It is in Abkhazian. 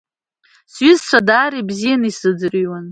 Сҩызцәа даара ибзианы исзыӡырҩуан.